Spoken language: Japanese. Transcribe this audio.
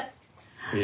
いえ。